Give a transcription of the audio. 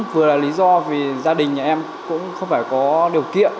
vừa là lý do vì gia đình nhà em cũng không phải có điều kiện